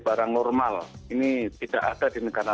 barang normal ini tidak ada di negara